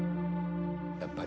やっぱり。